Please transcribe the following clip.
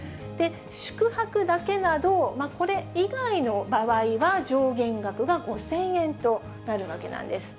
宿泊だけなど、これ以外の場合は、上限額が５０００円となるわけなんです。